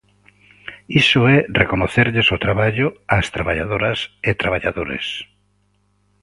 Iso é recoñecerlles o traballo ás traballadoras e traballadores.